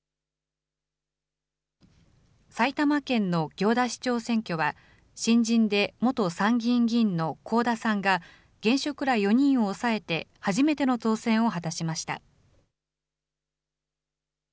埼玉県の行田市長選挙は、新人で元参議院議員の行田さんが、現職ら４人を抑えて初めての当選を果たしました。